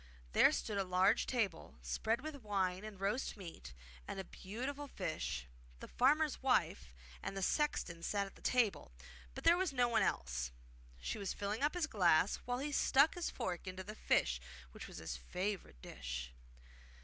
There stood a large table, spread with wine and roast meat and a beautiful fish. The farmer's wife and the sexton sat at the table, but there was no one else. She was filling up his glass, while he stuck his fork into the fish which was his favourite dish.